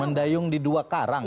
mendayung di dua karang